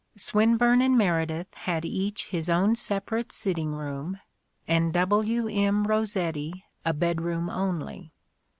Swinburne and Meredith had each his own separate sitting room, and W. M. Rossetti a bedroom only.